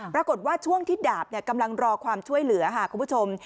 ปรากฏว่าช่วงที่ดาบกำลังรอความช่วยเหลือค่ะคุณผู้ชม